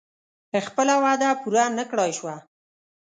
خپله وعده پوره نه کړای شوه.